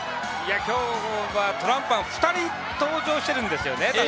今日はトランプマン、２人登場してるんですよね。